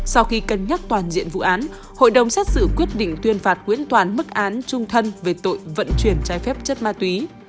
sau khi cân nhắc toàn diện vụ án hội đồng xét xử quyết định tuyên phạt nguyễn toàn mức án trung thân về tội vận chuyển trái phép chất ma túy